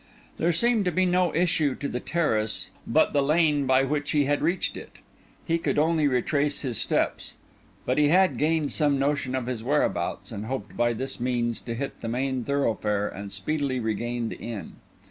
There seemed to be no issue to the terrace but the lane by which he had reached it; he could only retrace his steps, but he had gained some notion of his whereabouts, and hoped by this means to hit the main thoroughfare and speedily regain the inn.